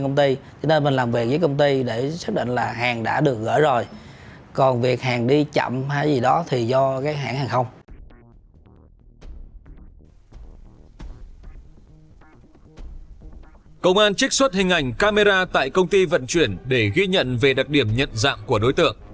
công an trích xuất hình ảnh camera tại công ty vận chuyển để ghi nhận về đặc điểm nhận dạng của đối tượng